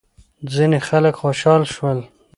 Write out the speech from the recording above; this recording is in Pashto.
ځینې خلک خوشحال شول.